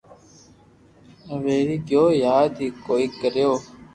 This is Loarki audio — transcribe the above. ويوي گيو ياد ھي ڪوئي ڪريو